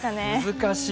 難しい。